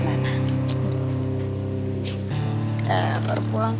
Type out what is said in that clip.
tante banyak banget unfanya